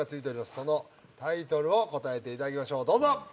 そのタイトルを答えていただきましょうどうぞ！